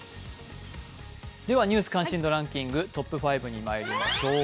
では「ニュース関心度ランキング」トップ５にまいりましょう。